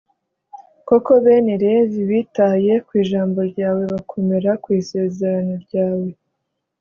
koko bene levi bitaye ku ijambo ryawe, bakomera ku isezerano ryawe,